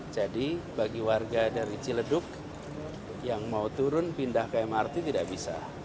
jadi bagi warga dari ciledug yang mau turun pindah ke mrt tidak bisa